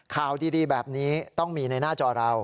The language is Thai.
ข่าวดีแบบนี้ต้องมีในหน้าจอเรา